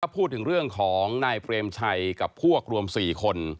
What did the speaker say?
พูดถึงเรื่องของนายเปรมชัยกับพวกรวม๔คน